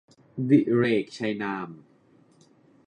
ดิเรก ชัยนาม